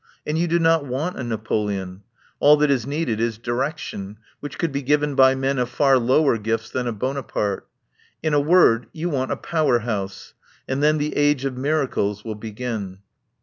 And you do not want a Napoleon. All that is needed is direc tion, which could be given by men of far lower gifts than a Bonaparte. In a word, you want a Power House, and then the age of miracles will begin."